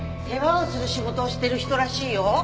世話をする仕事をしてる人らしいよ。